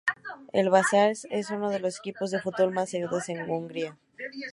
El Vasas es uno de los equipos de fútbol más seguidos de Hungría.